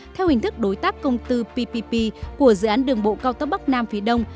theo hình thức đối tác công tư ppp của dự án đường bộ cao tốc bắc nam phía đông